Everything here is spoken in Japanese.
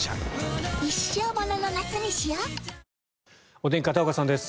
お天気、片岡さんです。